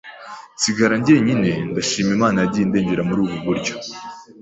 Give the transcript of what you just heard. nsigara njyenyine, ndashima Imana yagiye indengera muri ubwo buryo